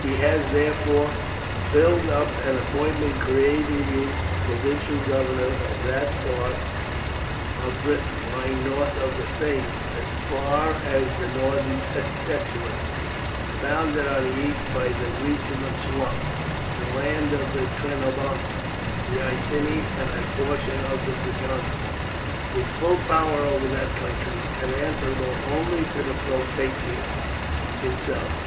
He has, therefore, filled up an appointment creating you provincial governor of that part of Britain lying north of the Thames as far as the northern estuary, and bounded on the east by the region of swamps the land of the Trinobantes, the Iceni, and a portion of the Brigantes with full power over that country, and answerable only to the propraetor himself.